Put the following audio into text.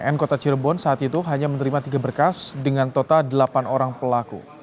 n kota cirebon saat itu hanya menerima tiga berkas dengan total delapan orang pelaku